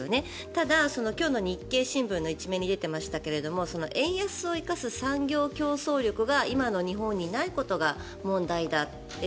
ただ、今日の日経新聞の１面に出ていましたけど円安を生かす産業競争力が今の日本にないことが問題だ